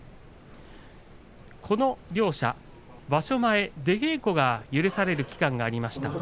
この両者、場所前出稽古が許される期間がありました。